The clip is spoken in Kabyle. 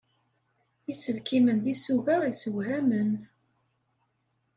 Iselkimen d isuga isewhamen.